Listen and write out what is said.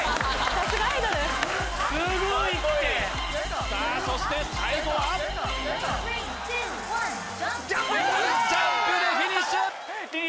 さすがアイドルすごいってかっこいいさあそして最後は３２１ジャンプ大ジャンプでフィニッシュ！